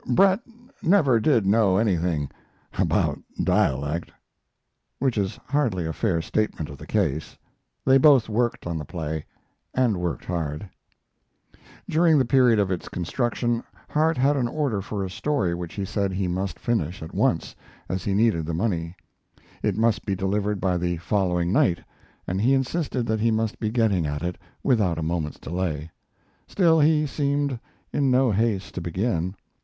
Bret never did know anything about dialect." Which is hardly a fair statement of the case. They both worked on the play, and worked hard. During the period of its construction Harte had an order for a story which he said he must finish at once, as he needed the money. It must be delivered by the following night, and he insisted that he must be getting at it without a moment's delay. Still he seemed in no haste to begin.